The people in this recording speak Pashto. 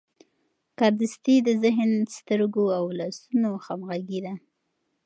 کاردستي د ذهن، سترګو او لاسونو همغږي ده.